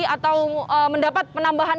atau mendapat penambahan